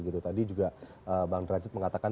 tadi juga bang derajat mengatakan